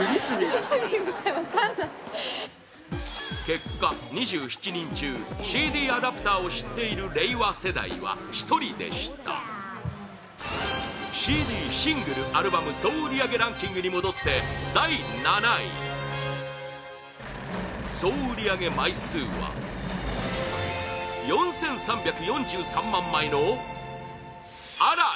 結果、２７人中ＣＤアダプターを知っている令和世代は１人でしたＣＤシングル・アルバム総売り上げランキングに戻って第７位総売り上げ枚数は４３４３万枚の嵐！